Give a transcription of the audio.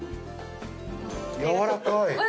やわらかい。